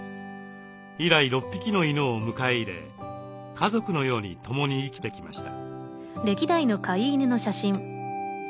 以来６匹の犬を迎え入れ家族のように共に生きてきました。